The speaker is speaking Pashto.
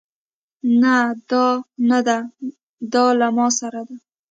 نه دا نده دا له ما سره دی